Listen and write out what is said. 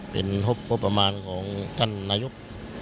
เป็นงบประมาณของท่านนายก